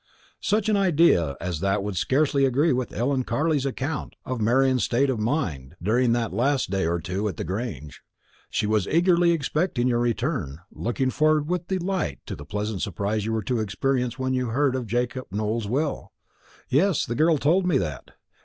"Such an idea as that would scarcely agree with Ellen Carley's account of Marian's state of mind during that last day or two at the Grange. She was eagerly expecting your return, looking forward with delight to the pleasant surprise you were to experience when you heard of Jacob Nowell's will." "Yes, the girl told me that.